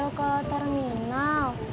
nanti ayo ke terminal